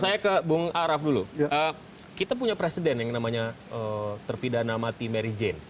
saya ke bung araf dulu kita punya presiden yang namanya terpidana mati mary jane